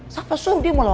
siapa suamimu lo